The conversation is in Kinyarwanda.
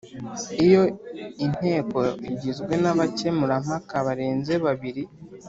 Iyo inteko igizwe n abakemurampaka barenze babiri.